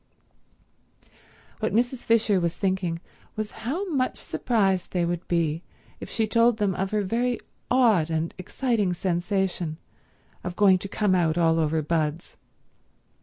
What Mrs. Fisher was thinking was how much surprised they would be if she told them of her very odd and exciting sensation of going to come out all over buds.